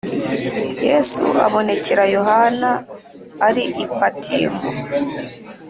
Yesu abonekera Yohana ari i Patimo